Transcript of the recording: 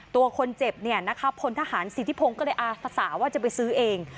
ตัวคนเจ็บเนี่ยนะคะพลทหารสิทธิพงศ์ก็เลยอาภาษาว่าจะไปซื้อเอง